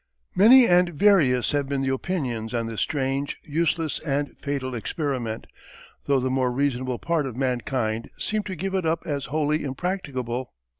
Many and various have been the opinions on this strange, useless, and fatal experiment, though the more reasonable part of mankind seemed to give it up as wholly impracticable.